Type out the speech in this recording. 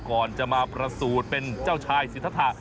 ก่อนจะมาประสูจน์เป็นเจ้าชายสิทธา